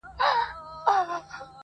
ته خو له هري ښيښې وځې و ښيښې ته ورځې.